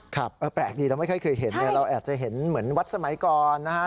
ครับแปลกดีเราไม่ค่อยเคยเห็นเนี่ยเราอาจจะเห็นเหมือนวัดสมัยก่อนนะฮะ